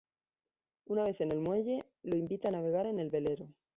Una vez en el muelle lo invita a navegar en el velero.